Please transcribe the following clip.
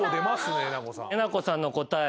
えなこさんの答え